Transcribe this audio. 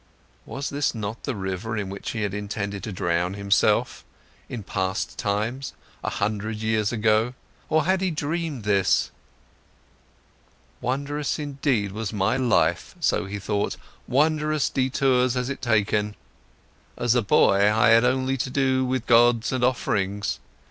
Was this not the river in which he had intended to drown himself, in past times, a hundred years ago, or had he dreamed this? Wondrous indeed was my life, so he thought, wondrous detours it has taken. As a boy, I had only to do with gods and offerings.